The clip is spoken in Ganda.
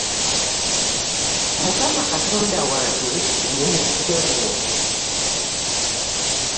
Mukama katonda wange ndi mukikemo .